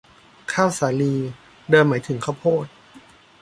ข้าวสาลี เดิมหมายถึงข้าวโพด